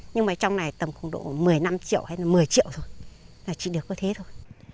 nhưng mà trong này tầm khủng độ một mươi năm triệu hay là một mươi triệu thôi là chỉ được có thế thôi